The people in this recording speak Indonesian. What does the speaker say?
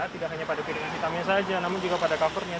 tidak hanya pada piringan hitamnya saja namun juga pada covernya